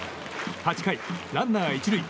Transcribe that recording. ８回、ランナー１塁。